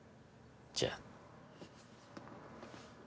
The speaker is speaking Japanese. じゃあ。